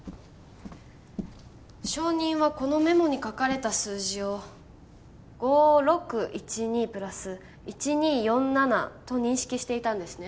証人はこのメモに書かれた数字を５６１２プラス１２４７と認識していたんですね？